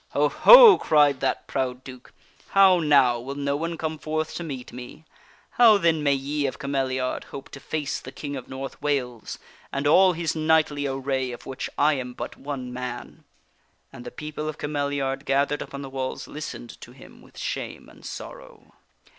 " Ho! Ho!" cried that proud Duke. " How now ! Will no one come forth to meet me ? How then may ye of Cameliard hope KING ARTHUR FINDS ARMOR 93 to face the King of North Wales and all his knightly array of which I am but one man ?" And the people of Cameliard, gathered upon the walls, listened to him with shame and sorrow.